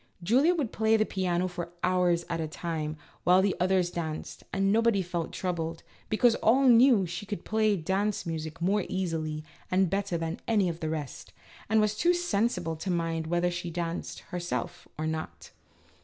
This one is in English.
Julia would play on the piano for hours at a time while all the others danced, and nobody felt troubled, because all knew that she could play dance music more easily and better than any of the rest, and was too sensible to mind whether she danced, her self, or not.